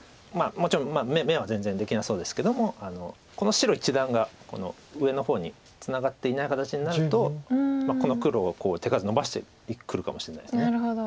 もちろん眼は全然できなそうですけどもこの白一団が上の方にツナがっていない形になるとこの黒手数のばしてくるかもしれないです。